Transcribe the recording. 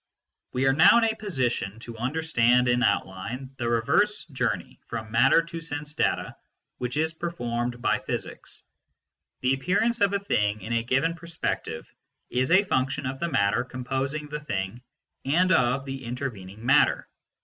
We are now in a position to understand in outline the reverse journey from matter to sense data which is per formed by physics. The appearance of a thing in a given perspective is a function of the matter composing the thing and of the intervening matter.